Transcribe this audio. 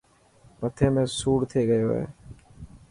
مٿي ۾ سوڙ ٿي گيو هي.